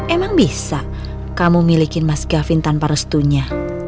emang bisa kamu milikin mas gavin tanpa restunya